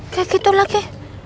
kayak gitu lagi